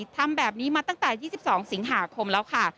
ทำแบบนี้มาตั้งแต่๒๒สิงหาคมแล้วค่ะ